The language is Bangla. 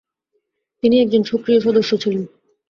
তিনি একজন সক্রিয় সদস্য ছিলেন।